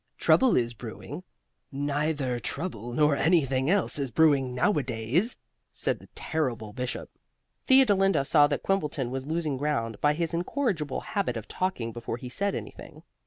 Trouble is brewing " "Neither trouble, nor anything else, is brewing nowadays," said the terrible Bishop. Theodolinda saw that Quimbleton was losing ground by his incorrigible habit of talking before he said anything.